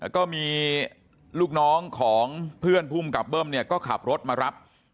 ก็มีลูกน้องของเพื่อนภูมิกับเบิ้มเนี่ยก็ขับรถมารับ